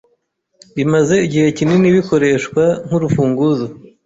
bimaze igihe kinini bikoreshwa nk "urufunguzo